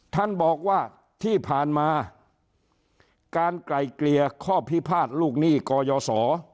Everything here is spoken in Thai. ท่านบอกว่าที่ผ่านมาการไกลเกลี่ยข้อพิพาทลูกหนี้กยศ